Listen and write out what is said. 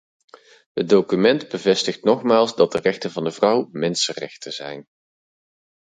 Het document bevestigt nogmaals dat de rechten van de vrouw mensenrechten zijn.